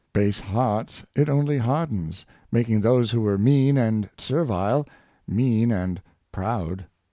Base hearts it only hardens, making those who were mean and serv ile, mean and proud.